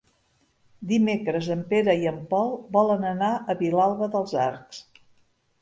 Dimecres en Pere i en Pol volen anar a Vilalba dels Arcs.